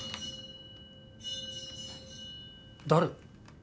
誰？